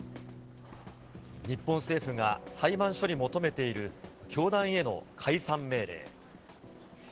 日本政府が裁判所に求めている教団への解散命令。